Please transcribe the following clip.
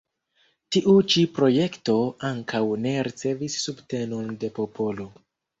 Tiu ĉi projekto ankaŭ ne ricevis subtenon de popolo.